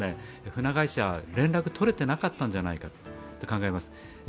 船会社、連絡取れてなかったんじゃないかと考えます。